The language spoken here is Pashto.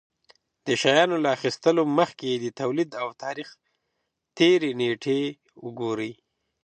د شيانو له اخيستلو مخکې يې د توليد او تاريختېر نېټې وگورئ.